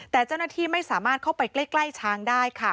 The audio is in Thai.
แต่เจ้าหน้าที่ไม่สามารถเข้าไปใกล้ช้างได้ค่ะ